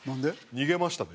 「逃げましたね」